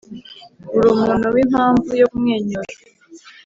urumuntu wimpamvu yo kumwenyura.